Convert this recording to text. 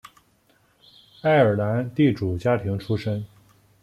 爱尔兰地主家庭出身。